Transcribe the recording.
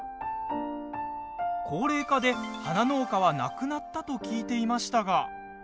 高齢化で、花農家はなくなったと聞いていましたが。